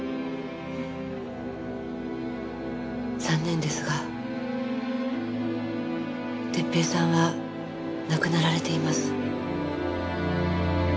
残念ですが哲平さんは亡くなられています。